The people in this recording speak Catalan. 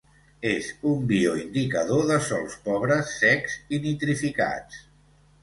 És un bioindicador de sòls pobres, secs i nitrificats.